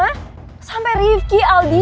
danannya sampe california betul gayanya